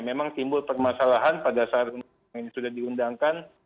memang timbul permasalahan pada saat ini sudah diundangkan